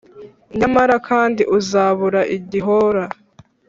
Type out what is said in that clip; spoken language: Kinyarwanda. Nyamara kandi uzabura gihora